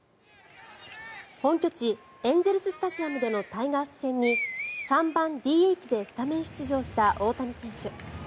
本拠地エンゼル・スタジアムでのタイガース戦に３番ＤＨでスタメン出場した大谷選手。